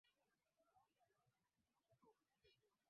Dini ya Uislamu ina kiasi cha asilimia tisini na saba za wananchi wote